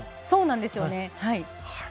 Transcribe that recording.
そうなんですよね。